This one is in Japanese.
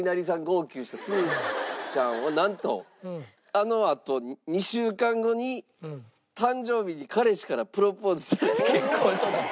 号泣したすうちゃんはなんとあのあと２週間後に誕生日に彼氏からプロポーズされて結婚した。